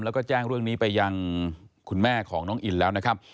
แล้วก็แจ้งเรื่องนี้ไปยังคุณแม่ของน้องอินแล้วนะครับ